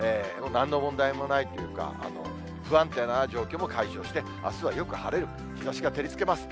なんの問題もないというか、不安定な状況も解消して、あすはよく晴れる、日ざしが照りつけます。